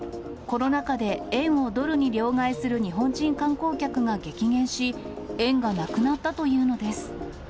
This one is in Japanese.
コロナ禍で、円をドルに両替する日本人観光客が激減し、円がなくなったというのです。